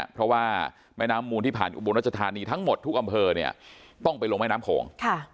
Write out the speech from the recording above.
เพราะว่าแม่น้ำมูลที่ผ่านอุบลรัชธานีทั้งหมดทุกอำเภอเนี่ยต้องไปลงแม่น้ำโขง